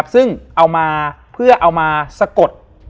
ซึ่งเอามาเพื่อเอามาสะกด